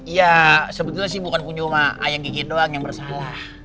iya sebetulnya sih bukan punya rumah ayam gigi doang yang bersalah